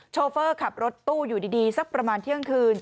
โฟเฟอร์ขับรถตู้อยู่ดีสักประมาณเที่ยงคืน